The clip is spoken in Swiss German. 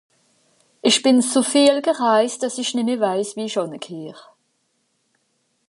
Isch bin so viel gereist, dass i nemme weiss, wo isch hingehöre